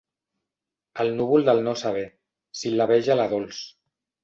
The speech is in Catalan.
El núvol del no saber, sil·labeja la Dols.